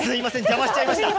邪魔しちゃいましたか。